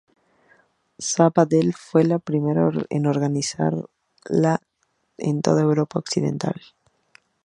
Sabadell fue la primera en organizarla en toda Europa Occidental.